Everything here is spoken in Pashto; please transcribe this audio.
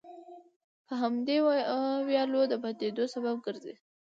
د همدې ويالو د بندېدو سبب ګرځي،